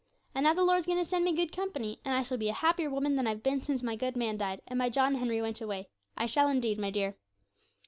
And now the Lord's going to send me good company, and I shall be a happier woman than I've been since my good man died, and my John Henry went away; I shall indeed, my dear.'